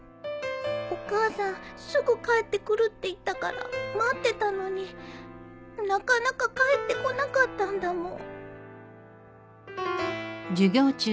お母さんすぐ帰ってくるって言ったから待ってたのになかなか帰ってこなかったんだもん